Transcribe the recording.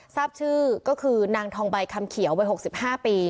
ทราบชื่อก็คือนางทองใบคำเขียววัย๖๕ปี